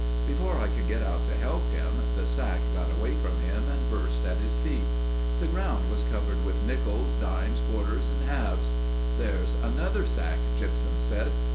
Before I could get out to help him, the sack got away from him and burst at his feet. The ground was covered with nickles, dimes, quarters, halves. 'There's another sack.' Gypsum said.